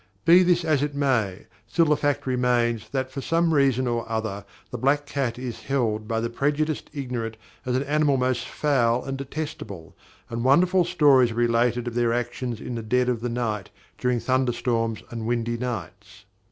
Be this as it may, still the fact remains that, for some reason or other, the black cat is held by the prejudiced ignorant as an animal most foul and detestable, and wonderful stories are related of their actions in the dead of the night during thunder storms and windy nights.